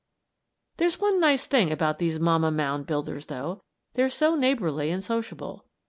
There's one nice thing about these mamma mound builders, though; they're so neighborly and sociable.